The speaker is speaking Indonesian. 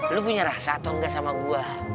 lu punya rasa atau enggak sama gue